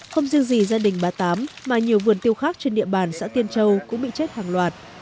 không riêng gì gia đình bà tám mà nhiều vườn tiêu khác trên địa bàn xã tiên châu cũng bị chết hàng loạt